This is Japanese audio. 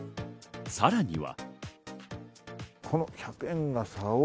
さらには。